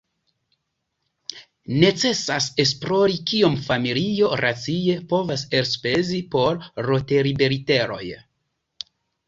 Necesas esplori kiom familio racie povas elspezi por loteribiletoj.